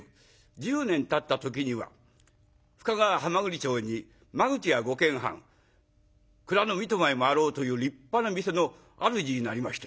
１０年たった時には深川蛤町に間口が５間半蔵の三戸前もあろうという立派な店のあるじになりまして。